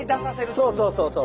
そうそうそうそう